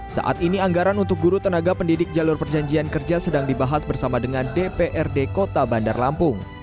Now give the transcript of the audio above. saat ini anggaran untuk guru tenaga pendidik jalur perjanjian kerja sedang dibahas bersama dengan dprd kota bandar lampung